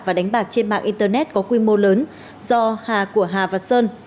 và đánh bạc trên mạng internet có quy mô lớn do hà của hà và sơn